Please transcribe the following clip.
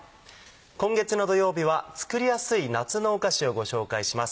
今月の土曜日は作りやすい夏のお菓子をご紹介します。